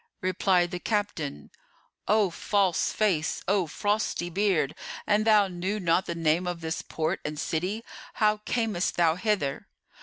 Replied the Captain, "O false face![FN#428] O frosty beard! an thou knew not the name of this port and city, how camest thou hither?"